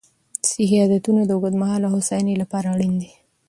صحي عادتونه د اوږدمهاله هوساینې لپاره اړین دي.